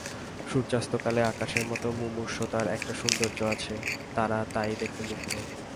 সূর্যাস্তকালে আকাশের মতো মুমূর্ষুতার একটা সৌন্দর্য আছে, তারা তাই দেখে মুগ্ধ।